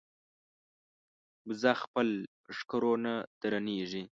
بزه خپل په ښکرو نه درنېږي.